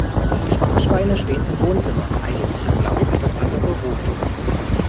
Die Sparschweine stehen im Wohnzimmer, eines ist blau das andere rot.